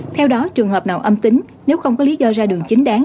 theo đó trường hợp nào âm tính nếu không có lý do ra đường chính đáng